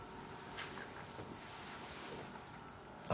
あ。